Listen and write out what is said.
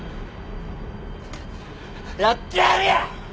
やってやるよ！